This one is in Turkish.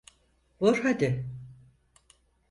Vur hadi!